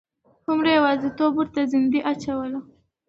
هومره یوازیتوب ورته زندۍ اچوله.